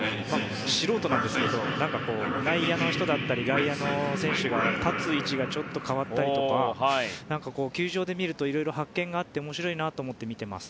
素人なんですけど内野の人だったり外野の選手が立つ位置が変わったりとか球場で見るといろいろ発見があって面白いなと思って見ています。